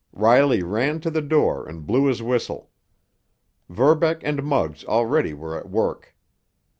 Riley ran to the door and blew his whistle. Verbeck and Muggs already were at work.